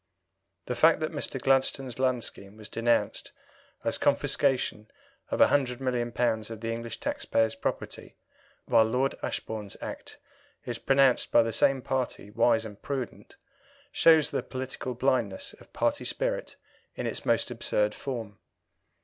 The fact that Mr. Gladstone's land scheme was denounced as confiscation of £100,000,000 of the English taxpayers' property, while Lord Ashbourne's Act is pronounced by the same party wise and prudent, shows the political blindness of party spirit in its most absurd form.